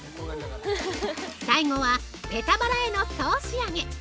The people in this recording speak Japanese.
◆最後は、ペタ腹への総仕上げ！